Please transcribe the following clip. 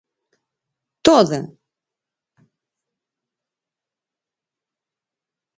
Toda?